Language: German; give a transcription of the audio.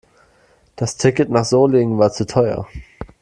Das Ticket nach Solingen war zu teuer